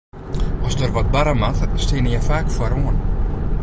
As der wat barre moat, steane je faak foaroan.